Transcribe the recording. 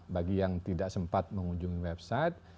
bagi yang tidak sempat mengunjungi website